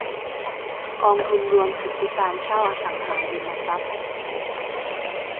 กองทุนรวมสิทธิการเช่าอสังหาริมทรัพย์